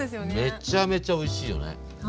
めっちゃめちゃおいしいよね。